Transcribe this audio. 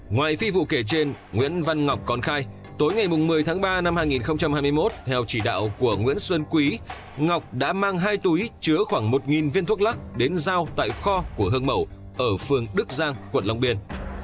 ngoài phi vụ kể trên nguyễn văn ngọc còn khai tối ngày một mươi tháng ba năm hai nghìn hai mươi một theo chỉ đạo của nguyễn xuân quý ngọc đã mang hai túi chứa khoảng một viên thuốc lắc đến giao tại kho của hương mầu ở phường đức giang quận long biên